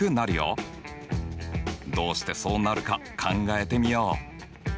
どうしてそうなるか考えてみよう。